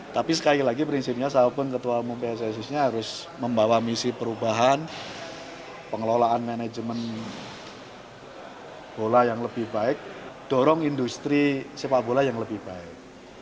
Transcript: tapi sekali lagi prinsipnya saya pun ketua umum pssi harus membawa misi perubahan pengelolaan manajemen bola yang lebih baik dorong industri sepak bola yang lebih baik